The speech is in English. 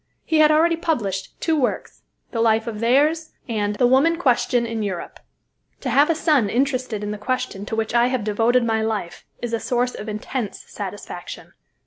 He had already published two works, "The Life of Thiers," and "The Woman Question in Europe." To have a son interested in the question to which I have devoted my life, is a source of intense satisfaction.